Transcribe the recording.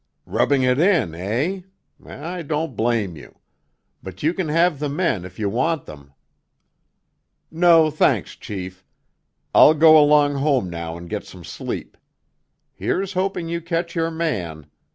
"Rubbing it in, eh? I don't blame you! But you can have the men if you want them." "No, thanks, chief. I'll go along home now and get some sleep. Here's hoping you catch your man.